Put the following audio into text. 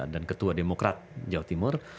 dan ketua demokrat jawa timur